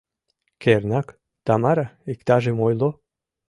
— Кернак, Тамара, иктажым ойло.